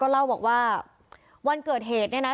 เล่าบอกว่าวันเกิดเหตุเนี่ยนะ